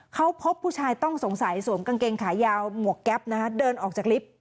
เขาพบผู้ชายต้องสงสัยสวมกางเกงขายาวหมวกแก๊ปนะคะเดินออกจากลิฟต์